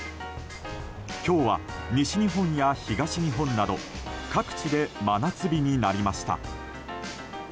今日は西日本や東日本など各地で真夏日になりました。